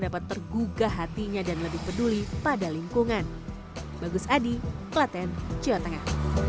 dapat tergugah hatinya dan lebih peduli pada lingkungan bagus adi klaten jawa tengah